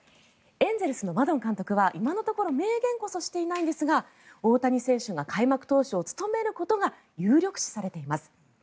エンゼルスのマドン監督は今のところ明言こそしていないんですが大谷選手が開幕投手を務めることが有力視されています。